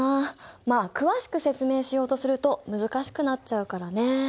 まあ詳しく説明しようとすると難しくなっちゃうからね。